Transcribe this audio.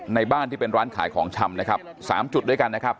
ในบ้านที่เป็นร้านขายของชำนะครับ๓จุดด้วยกันนะครับ